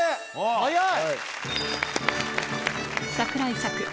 早い！